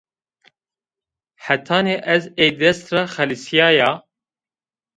Hetanî ez ey dest ra xelîsîyaya